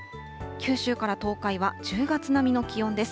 九州から東海は１０月並みの気温です。